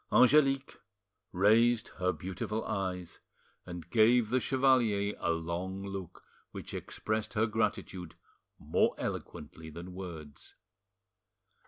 Angelique raised her beautiful eyes, and gave the chevalier a long look which expressed her gratitude more eloquently than words.